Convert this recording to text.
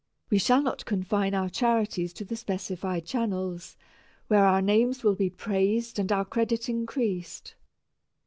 We shall not confine our charities to the specified channels, where our names will be praised and our credit increased.